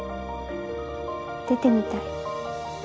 出てみたい。